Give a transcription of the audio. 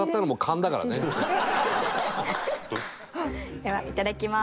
ではいただきます。